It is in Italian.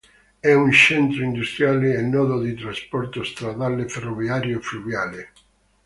È un centro industriale e nodo di trasporto stradale, ferroviario e fluviale.